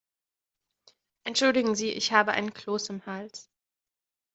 Entschuldigen Sie, ich habe einen Kloß im Hals.